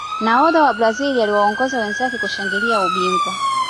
nahodha wa brazil aliwaongoza wenzake kushangilia ubingwa